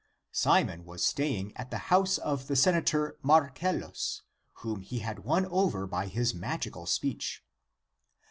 Simon was staying at the house of the senator Marcellus, whom he had won over by his magical speech.